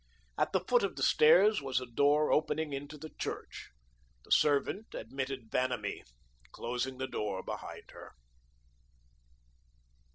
At the foot of the stairs was a door opening into the church. The servant admitted Vanamee, closing the door behind her.